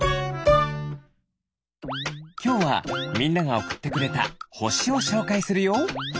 きょうはみんながおくってくれたほしをしょうかいするよ。